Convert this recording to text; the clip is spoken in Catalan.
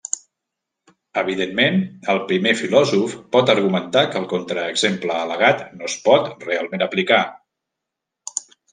Evidentment, el primer filòsof pot argumentar que el contraexemple al·legat no es pot realment aplicar.